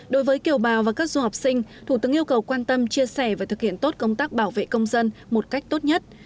đối với kiều bào và các du học sinh thủ tướng yêu cầu quan tâm chia sẻ và thực hiện tốt công tác bảo vệ công dân một cách tốt nhất